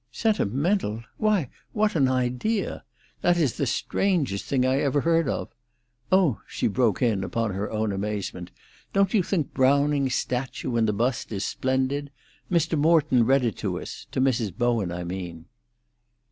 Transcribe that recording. "Sentimental! Why, what an idea! That is the strangest thing I ever heard of. Oh!" she broke in upon her own amazement, "don't you think Browning's 'Statue and the Bust' is splendid? Mr. Morton read it to us—to Mrs. Bowen, I mean."